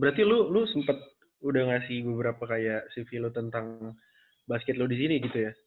berarti lu sempet udah ngasih beberapa cv lu tentang basket lu di sini gitu ya